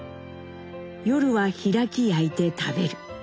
夜は開き焼いて食べる。